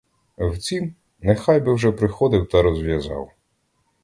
Втім, нехай би вже приходив та розв'язав.